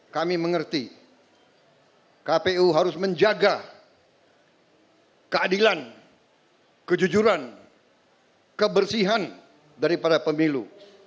kami mengerti kpu harus menjaga keadilan kejujuran kebersihan daripada pemilu